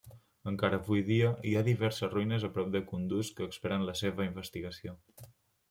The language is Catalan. Encara avui dia hi ha diverses ruïnes prop de Kunduz que esperen la seva investigació.